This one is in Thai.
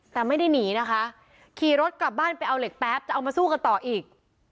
แต่ไม่ได้หนีนะคะขี่รถกลับบ้านไปเอาเหล็กแป๊บจะเอามาสู้กันต่ออีก